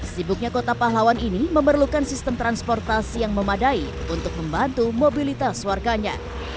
sibuknya kota pahlawan ini memerlukan sistem transportasi yang memadai untuk membantu mobilitas warganya